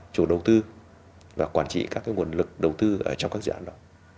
đồng tư và quản trị các cái nguồn lực đồng tư ở trong các dự án đó